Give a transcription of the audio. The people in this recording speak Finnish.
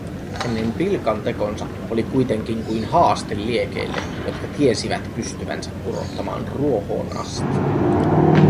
Hänen pilkantekonsa oli kuitenkin kuin haaste liekeille, jotka tiesivät pystyvänsä kurottamaan ruohoon asti.